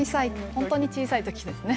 本当に小さいころですね。